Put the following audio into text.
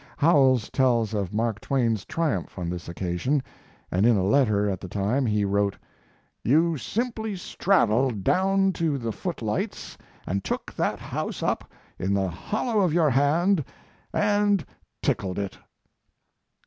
Howells tells of Mark Twain's triumph on this occasion, and in a letter at the time he wrote: "You simply straddled down to the footlights and took that house up in the hollow of your hand and tickled it."